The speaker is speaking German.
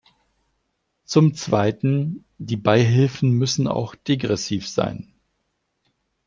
Zum zweiten, die Beihilfen müssen auch degressiv sein.